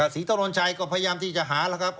ศรีถนนชัยก็พยายามที่จะหาแล้วครับ